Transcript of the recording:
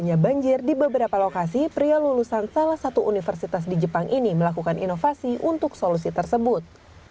hanya banjir di beberapa lokasi pria lulusan salah satu universitas di jepang ini melakukan inovasi untuk solusi tersebut